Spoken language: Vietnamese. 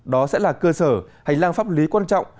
đó sẽ là cơ sở hành lang pháp lý quan trọng